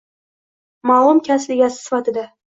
Ma’lum kasb egasi sifatida?